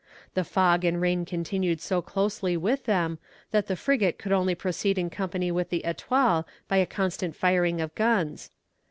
The fog and rain continued so closely with them, that the frigate could only proceed in company with the Etoile by a constant firing of guns.